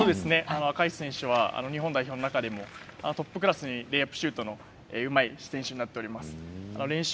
赤石選手は日本代表の中でもトップクラスにレイアップシュートのうまい選手になっています。